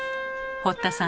堀田さん